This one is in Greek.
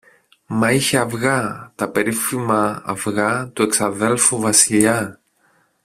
Μα είχε αυγά, τα περίφημα αυγά του εξαδέλφου Βασιλιά.